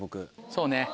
そうね。